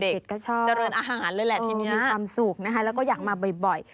เด็กก็ชอบมีความสุขนะคะแล้วก็อยากมาบ่อย